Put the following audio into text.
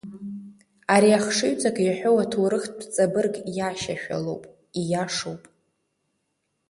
Ари ахшыҩҵак иаҳәо аҭоурыхтә ҵабырг иашьашәалоуп, ииашоуп.